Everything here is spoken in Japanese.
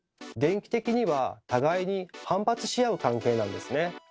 電気的には互いに反発し合う関係なんですね。